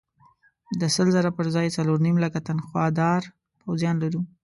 د سل زره پر ځای څلور نیم لکه تنخوادار پوځیان لرو.